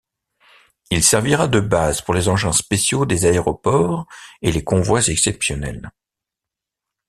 Il servira de base pour les engins spéciaux des aéroports et les convois exceptionnels.